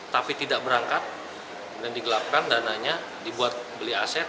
tapi tidak berangkat kemudian digelapkan dananya dibuat beli aset